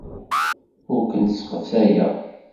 Ur kent-sseqsayeɣ.